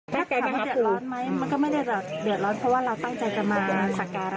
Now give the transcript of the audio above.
ค่ะค่ะค่ะค่ะค่ะค่ะค่ะค่ะค่ะค่ะค่ะค่ะค่ะค่ะค่ะ